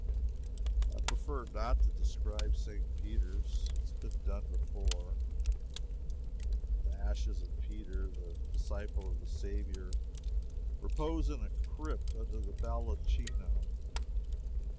I prefer not to describe St. Peter's. It has been done before. The ashes of Peter, the disciple of the Saviour, repose in a crypt under the baldacchino.